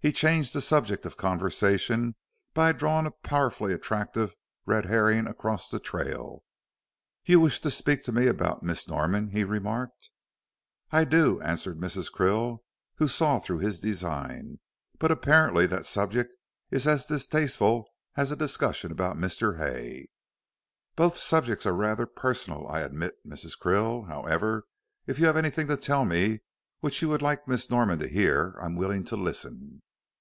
He changed the subject of conversation by drawing a powerfully attractive red herring across the trail. "You wish to speak to me about Miss Norman," he remarked. "I do," answered Mrs. Krill, who saw through his design, "but apparently that subject is as distasteful as a discussion about Mr. Hay." "Both subjects are rather personal, I admit, Mrs. Krill. However, if you have anything to tell me, which you would like Miss Norman to hear, I am willing to listen."